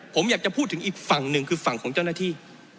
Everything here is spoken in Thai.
ผมอยากจะพูดถึงอีกฝั่งหนึ่งคือฝั่งของเจ้าหน้าที่